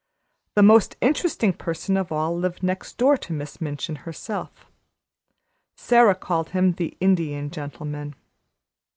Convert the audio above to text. The most interesting person of all lived next door to Miss Minchin herself. Sara called him the Indian Gentleman.